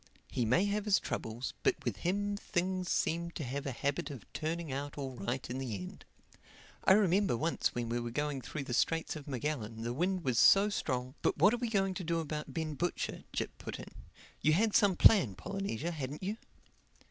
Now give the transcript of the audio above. He may have his troubles; but with him things seem to have a habit of turning out all right in the end. I remember once when we were going through the Straits of Magellan the wind was so strong—" "But what are we going to do about Ben Butcher?" Jip put in. "You had some plan Polynesia, hadn't you?"